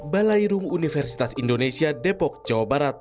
balairung universitas indonesia depok jawa barat